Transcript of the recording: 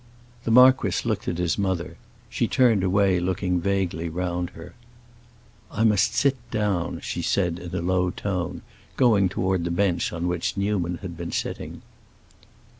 The marquis looked at his mother; she turned away, looking vaguely round her. "I must sit down," she said in a low tone, going toward the bench on which Newman had been sitting.